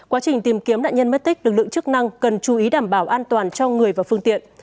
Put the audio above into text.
quá trình tìm kiếm nạn nhân mất tích lực lượng chức năng cần chú ý đảm bảo an toàn cho người và phương tiện